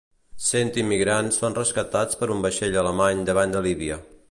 Cent migrants són rescatats per un vaixell alemany davant de Líbia.